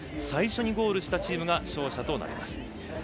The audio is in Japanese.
最初にゴールしたチームが勝者となります。